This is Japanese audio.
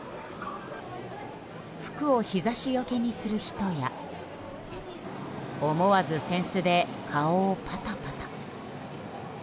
服を日差しよけにする人や思わず扇子で顔をパタパタ。